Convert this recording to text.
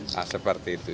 nah seperti itu